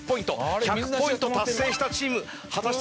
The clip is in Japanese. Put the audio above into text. １００ポイント達成したチーム果たして先に。